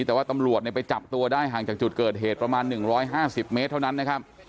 แต่ว่าตำรวจไปจับตัวได้ห่างจากจุดเกิดเหตุประมาณ๑๕๐เมตรเท่านั้นนะครับ